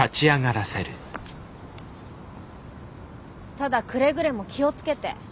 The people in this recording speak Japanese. ただくれぐれも気を付けて。